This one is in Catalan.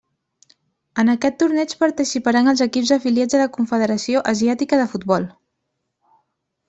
En aquest torneig participaran els equips afiliats a la Confederació Asiàtica de Futbol.